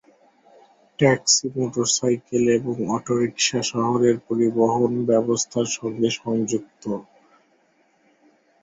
Taxi, motorcycle এবং autorickshaw শহরের পরিবহন ব্যবস্থার সঙ্গে সংযুক্ত।